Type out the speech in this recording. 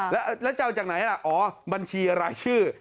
แล้วจะเอาจากไหนล่ะอ๋อบัญชีรายชื่อ